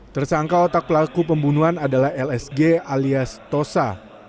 tersangka otak pelaku pembunuhan adalah lsg alias tosa